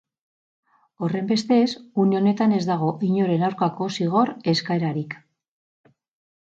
Horrenbestez, une honetan ez dago inoren aurkako zigor eskaerarik.